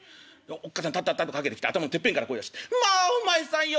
おっ母さんたったったと駆けてきて頭のてっぺんから声出して『まあお前さんよく来たね。